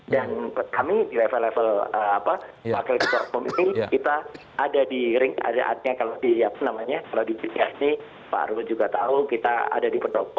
dan kami di level level wakil ketua umum ini kita ada di ring area artinya kalau di apa namanya kalau di cis ini pak arhut juga tahu kita ada di pendopo